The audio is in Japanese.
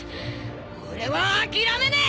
俺は諦めねえ！